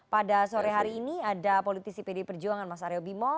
pada sore hari ini ada politisi pd perjuangan mas aryo bimo